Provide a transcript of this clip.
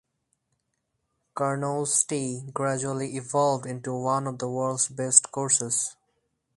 Carnoustie gradually evolved into one of the world's best courses.